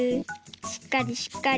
しっかりしっかり。